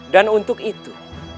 dan untuk itu